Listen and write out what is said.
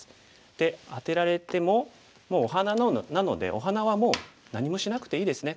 でアテられてももうお花なのでお花はもう何もしなくていいですね。